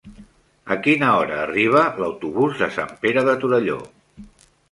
A quina hora arriba l'autobús de Sant Pere de Torelló?